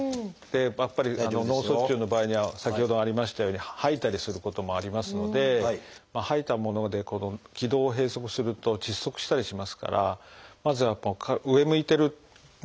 やっぱり脳卒中の場合には先ほどありましたように吐いたりすることもありますので吐いたもので気道を閉塞すると窒息したりしますからまず上向いてるのがあんまりよろしくないんですね。